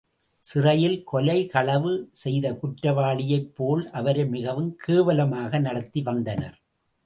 சிறையில் கொலை, களவு செய்த குற்றவாளியைப் போல் அவரை மிகவும் கேவலமாக நடத்தி வந்தனர்.